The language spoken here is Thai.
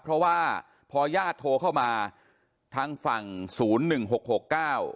เพราะว่าพอญาติโทรเข้ามาทางฝั่งศูนย์หนึ่งหกหกเก้า